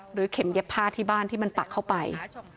เข็มเย็บผ้าที่บ้านที่มันปักเข้าไป